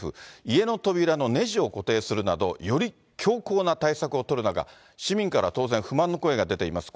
家の扉のねじを固定するなど、より強硬な対策を取る中、市民から当然、不満の声が出ています。